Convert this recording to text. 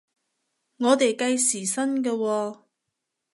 我哋計時薪嘅喎？